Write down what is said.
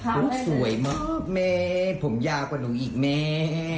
ผมสวยมากแม่ผมยาวกว่าหนูอีกแม่